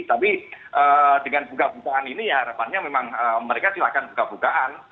tapi dengan buka bukaan ini ya harapannya memang mereka silakan buka bukaan